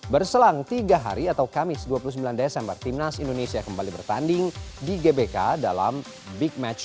berselang tiga hari atau kamis dua puluh sembilan desember timnas indonesia kembali bertanding di gbk dalam big match